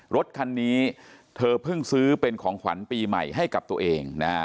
รถคันนี้เธอเพิ่งซื้อเป็นของขวัญปีใหม่ให้กับตัวเองนะฮะ